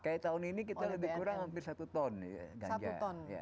kayak tahun ini kita lebih kurang hampir satu ton